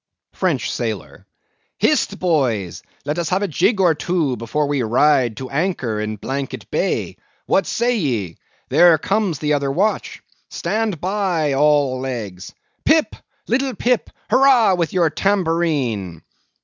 FRENCH SAILOR. Hist, boys! let's have a jig or two before we ride to anchor in Blanket Bay. What say ye? There comes the other watch. Stand by all legs! Pip! little Pip! hurrah with your tambourine!